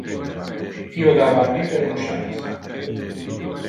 Io dava a Peter un chance.